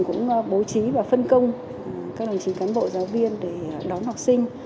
chúng tôi cũng bố trí và phân công các đồng chí cán bộ giáo viên để đón học sinh